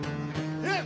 えっ！